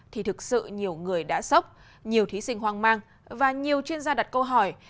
thì thực sự nhiều người đã sốc nhiều thí sinh hoang mang và nhiều chuyên gia đặt câu hỏi